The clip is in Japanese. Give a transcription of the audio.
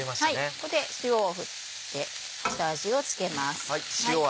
ここで塩を振って下味を付けます。